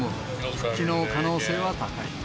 復帰の可能性は高い。